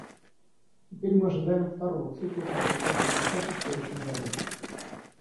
Теперь мы ожидаем второго цикла, который должен начаться в следующем году.